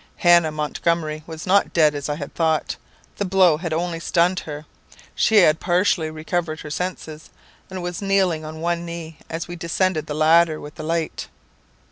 Hannah Montgomery was not dead, as I had thought; the blow had only stunned her. She had partially recovered her senses, and was kneeling on one knee as we descended the ladder with the light.